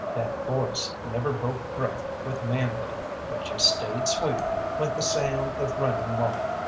That voice never broke gruff with manhood, but just stayed sweet, like the sound of running water.